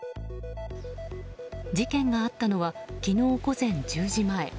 事件があったのは昨日午前１０時前。